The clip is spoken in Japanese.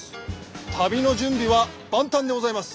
旅の準備は万端でございます。